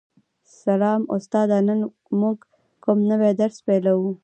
سلام استاده نن موږ کوم نوی درس پیلوو